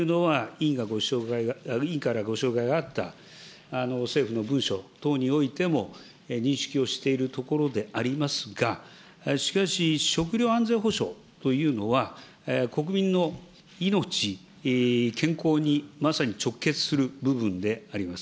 わが国の食料安全保障における環境が大変厳しいというのは、委員からご紹介があった政府の文書等においても認識をしているところでありますが、しかし、食料安全保障というのは、国民の命、健康にまさに直結する部分であります。